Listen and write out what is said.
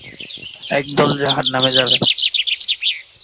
একদল জাহান্নামে যাবে।